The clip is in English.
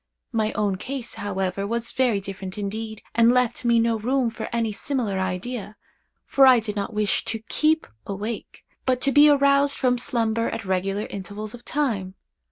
My own case, however, was very different indeed, and left me no room for any similar idea; for I did not wish to keep awake, but to be aroused from slumber at regular intervals of time.